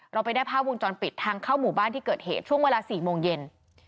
เราไปได้ภาพวงจรปิดทางเข้าหมู่บ้านที่เกิดเหตุช่วงเวลา๔โมงเย็น